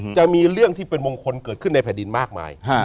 จะมีเรื่องที่เป็นมงคลเกิดขึ้นในแผ่นดินมากมาย